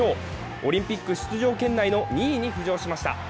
オリンピック出場圏内の２位に浮上しました。